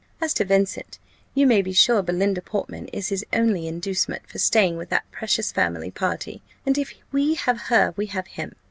As to Vincent, you may be sure Belinda Portman is his only inducement for staying with that precious family party; and if we have her we have him.